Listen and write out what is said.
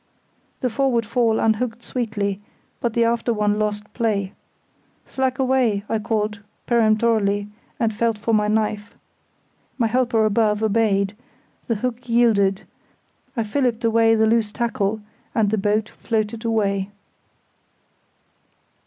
The forward fall unhooked sweetly; but the after one lost play. "Slack away," I called, peremptorily, and felt for my knife. My helper above obeyed; the hook yielded; I filliped away the loose tackle, and the boat floated away.